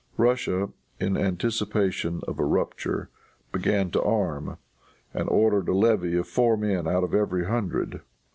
Russia, in anticipation of a rupture, began to arm, and ordered a levy of four men out of every hundred.